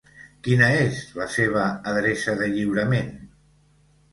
Quina és la seva adreça de lliurament?